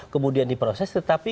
kemudian diproses tetapi